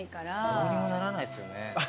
どうにもならないっすよね。